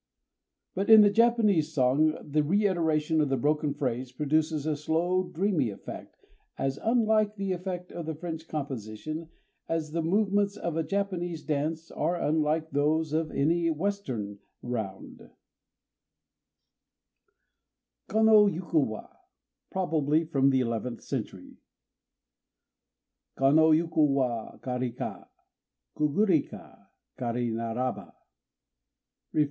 _ But in the Japanese song the reiteration of the broken phrase produces a slow dreamy effect as unlike the effect of the French composition as the movements of a Japanese dance are unlike those of any Western round: KANO YUKU WA (Probably from the eleventh century) Kano yuku wa, Kari ka? kugui ka? Kari naraba, (Ref.)